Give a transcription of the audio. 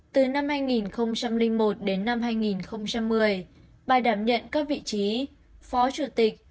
từ năm hai nghìn một đến năm hai nghìn một mươi bài đảm nhận các vị trí phó chủ tịch